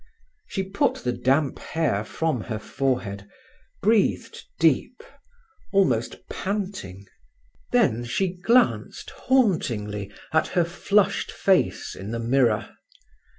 She put the damp hair from her forehead, breathed deep, almost panting. Then she glanced hauntingly at her flushed face in the mirror.